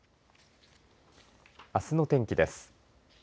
あすの天気です。